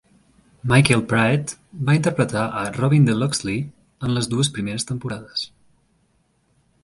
Michael Praed va interpretar a Robin de Loxley en les dues primeres temporades.